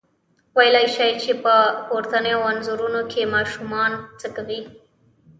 ویلای شئ چې په پورتنیو انځورونو کې ماشومان څه کوي؟